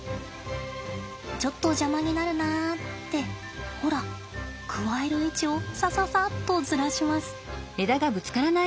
「ちょっと邪魔になるな」ってほらくわえる位置をさささっとずらします。